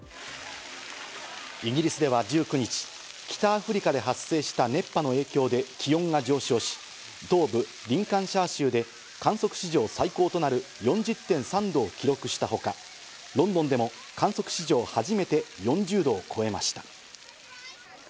イギリスでは１９日、北アフリカで発生した熱波の影響で気温が上昇し、東部リンカンシャー州で観測史上最高となる４０．３度を記録したほか、ロンドンでも観測史上初めて４０度を超えました。